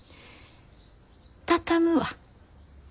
畳むわ。